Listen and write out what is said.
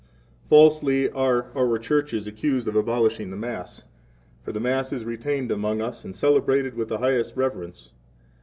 1 Falsely are our churches accused of abolishing the Mass; for the Mass is retained among 2 us, and celebrated with the highest reverence.